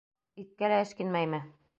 Иткә лә эшкинмәйме?